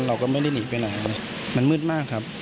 เราก็ไม่ได้หนีไปไหนมันมืดมากครับ